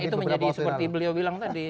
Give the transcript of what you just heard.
itu menjadi seperti beliau bilang tadi